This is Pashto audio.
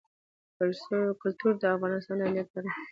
کلتور د افغانستان د امنیت په اړه هم اغېز لري.